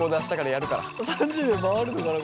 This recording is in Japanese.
３０秒回るのかな